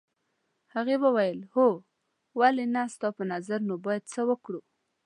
هغې وویل هو ولې نه ستا په نظر نور باید څه وکړو.